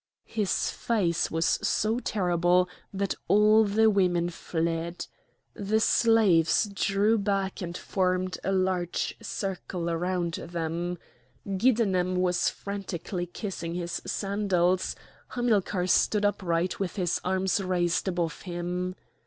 His face was so terrible that all the women fled. The slaves drew back and formed a large circle around them; Giddenem was frantically kissing his sandals; Hamilcar stood upright with his arms raised above him.